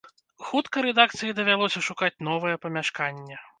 Хутка рэдакцыі давялося шукаць новае памяшканне.